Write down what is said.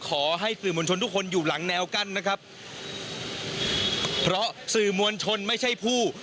ขอให้สื่อมวลชนทุกคนอยู่หลังแนวกั้นนะครับเพราะสื่อมวลชนไม่ใช่ผู้